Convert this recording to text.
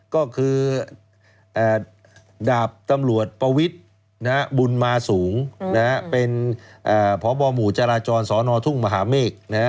ก็คือดาบตำรวจปวิทย์บุญมาสูงเป็นพบหมู่จราจรสนทุ่งมหาเมฆ